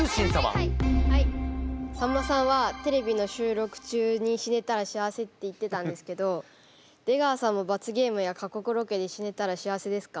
さんまさんは「テレビの収録中に死ねたら幸せ」って言ってたんですけど出川さんも罰ゲームや過酷ロケで死ねたら幸せですか？